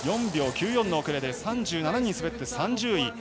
４秒９４の遅れ３７人滑って３０位。